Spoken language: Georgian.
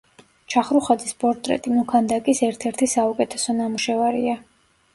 ჩახრუხაძის პორტრეტი მოქანდაკის ერთ-ერთი საუკეთესო ნამუშევარია.